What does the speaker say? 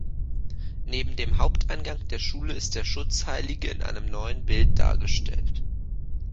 Neben dem Haupteingang der Schule ist der Schutzheilige in einem neuen Bild dargestellt.